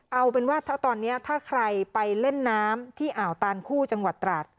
เอาเป็นว่าถ้าตอนนี้ถ้าใครไปเล่นน้ำที่อ่าวตานคู่จังหวัดตราด